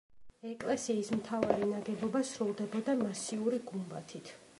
ეკლესიის მთავარი ნაგებობა სრულდებოდა მასიური გუმბათით.